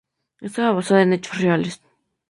Esta basada en hechos reales